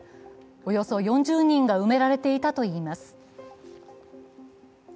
およそ４０人が埋められていたといいます。